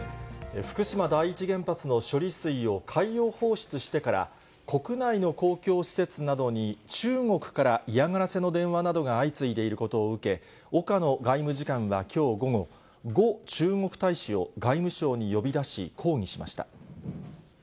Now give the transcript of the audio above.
福島第一原発の処理水を海洋放出してから、国内の公共施設などに中国から嫌がらせの電話などが相次いでいることを受け、岡野外務次官はきょう午後、呉中国大使を外務省に呼び出し、抗議しました。